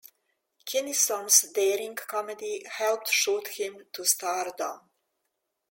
Kinison's daring comedy helped shoot him to stardom.